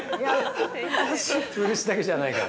◆漆だけじゃないから。